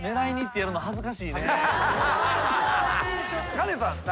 カレンさん。